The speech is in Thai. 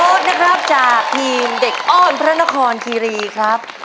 นะครับจากทีมเด็กอ้อนพระนครคีรีครับ